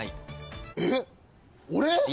えっ俺？